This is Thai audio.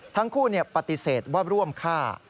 ทั้งคู่ปฏิเสธว่าร่วมฆ่า